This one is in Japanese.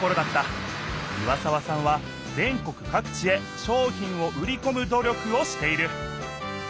岩沢さんは全国かく地へ商品を売りこむ努力をしている。